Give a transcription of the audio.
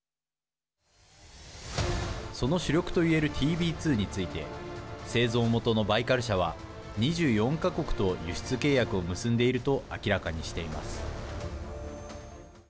その主力といえるＴＢ２について製造元のバイカル社は２４か国と輸出契約を結んでいると明らかにしています。